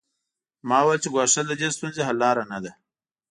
ما وویل چې ګواښل د دې ستونزې حل لاره نه ده